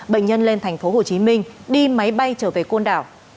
bệnh nhân lên thành phố hồ chí minh đi máy bay trở về côn đảo